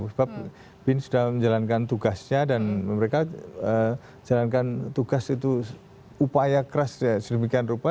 sebab bin sudah menjalankan tugasnya dan mereka jalankan tugas itu upaya keras sedemikian rupa